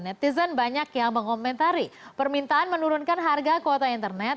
netizen banyak yang mengomentari permintaan menurunkan harga kuota internet